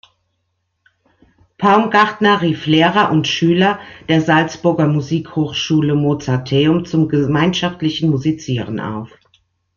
Paumgartner rief Lehrer und Schüler der Salzburger Musikhochschule Mozarteum zum gemeinschaftlichen Musizieren auf.